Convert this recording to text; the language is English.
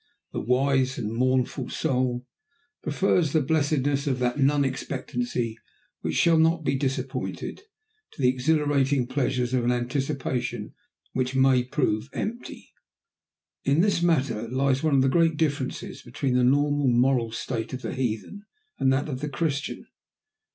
The wise and mournful soul prefers the blessedness of that non expectancy which shall not be disappointed, to the exhilarating pleasures of an anticipation which may prove empty. In this matter lies one of the great differences between the normal moral state of the heathen and that of the Christian.